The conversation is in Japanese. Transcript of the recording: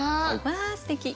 わあすてき。